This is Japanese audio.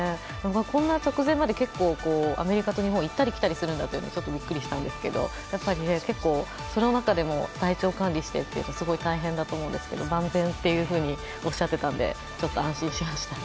こんな直前までアメリカと日本行ったり来たりするんだというのはちょっとびっくりしたんですけど、その中でも体調管理をしていくのはすごく大変だと思うんですけど、万全っていうふうにおっしゃってたんで安心しました。